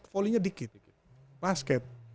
volinya dikit basket